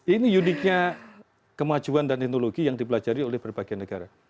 ini uniknya kemajuan dan teknologi yang dipelajari oleh berbagai negara